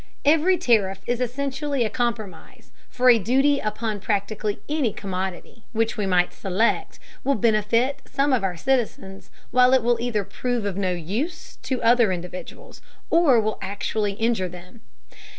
Every tariff is essentially a compromise, for a duty upon practically any commodity which we might select will benefit some of our citizens, while it will either prove of no use to other individuals or will actually injure them.